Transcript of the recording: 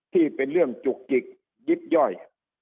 ที่เป็นเรื่องจุกจิกยิบย่อย